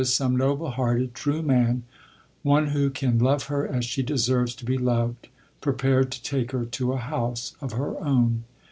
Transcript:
_ some noble hearted, true man, one who can love her as she deserves to be loved, prepared to take her to a house of her own."